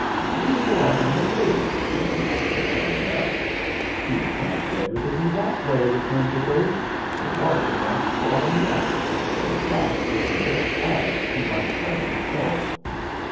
"We'll go out on the lake," said the master, starting up. "You can't get rid of me that way," returned the ghost. "The water won't swallow me up; in fact, it will just add to my present bulk."